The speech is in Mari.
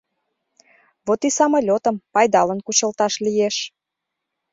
Вот и самолётым пайдалын кучылташ лиеш.